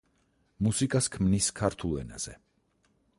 მუსიკას ქმნის ქართულ ენაზე.